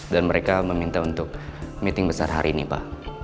dan mereka meminta untuk meeting besar hari ini pak